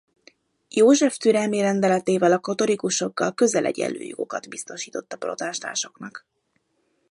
József türelmi rendeletével a katolikusokkal közzel egyenlő jogokat biztosított a protestánsoknak.